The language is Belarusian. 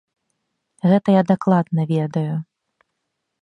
Гэта я дакладна ведаю.